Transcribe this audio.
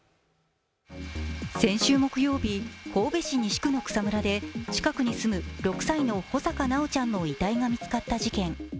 先週木曜日、神戸市西区の草むらで近くに住む６歳の穂坂修ちゃんの遺体が見つかった事件。